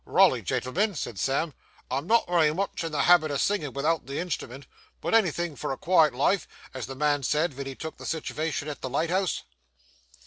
'Raly, gentlemen,' said Sam, 'I'm not wery much in the habit o' singin' without the instrument; but anythin' for a quiet life, as the man said wen he took the sitivation at the lighthouse.